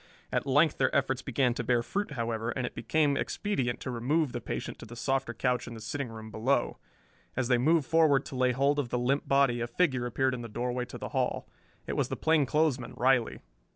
At length their efforts began to bear fruit, however, and it became expedient to remove the patient to the softer couch in the sitting room below. As they moved forward to lay hold of the limp body a figure appeared in the doorway to the hall. It was the plainclothesman, Riley.